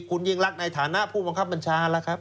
คุณยิ่งรักในฐานะผู้บังคับบัญชาแล้วครับ